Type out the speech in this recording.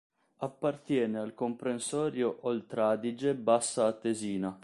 Appartiene al comprensorio Oltradige-Bassa Atesina.